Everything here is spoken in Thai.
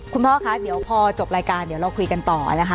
คุณพ่อคะเดี๋ยวพอจบรายการเดี๋ยวเราคุยกันต่อนะคะ